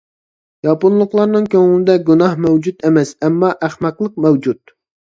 ياپونلۇقلارنىڭ كۆڭلىدە گۇناھ مەۋجۇت ئەمەس، ئەمما ئەخمەقلىق مەۋجۇت.